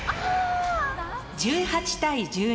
１８対１２。